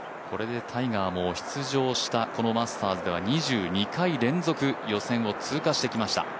これでタイガーも出場したマスターズの中では２２回連続、予選を通過してきました。